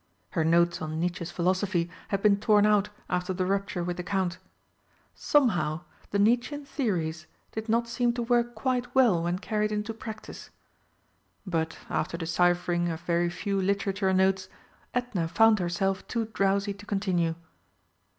Her notes on Nietzsche's philosophy had been torn out after the rupture with the Count. Somehow the Nietzschean theories did not seem to work quite well when carried into practice. But, after deciphering a very few Literature notes, Edna found herself too drowsy to continue.